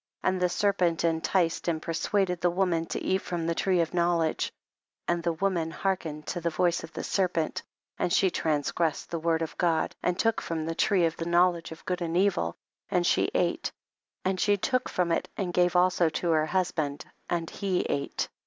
10. And the serpent enticed and persuaded the woman to eat from the tree of knowledge, and the wo man hearkened to the voice of the serpent, and she transgressed the THE BOOK OF JASHER. word of God, and took from the tree of the knowledge of good and evil and slie ate, and she took from it and gave also to her husband and he ate.